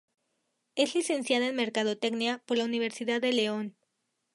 Es Licenciada en Mercadotecnia por la Universidad de León.